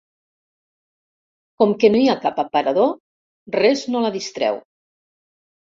Com que no hi ha cap aparador res no la distreu.